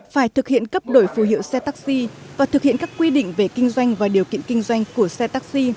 phải thực hiện cấp đổi phù hiệu xe taxi và thực hiện các quy định về kinh doanh và điều kiện kinh doanh của xe taxi